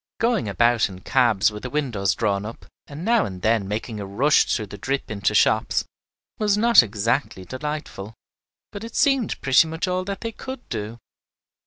Going about in cabs with the windows drawn up, and now and then making a rush through the drip into shops, was not exactly delightful, but it seemed pretty much all that they could do.